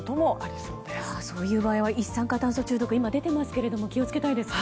そういう場合は一酸化炭素中毒が今出ていますけれども気を付けたいですね。